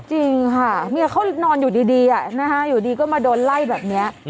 จริงค่ะเมียเขานอนอยู่ดีอยู่ดีก็มาโดนไล่แบบนี้